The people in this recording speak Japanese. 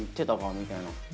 みたいな。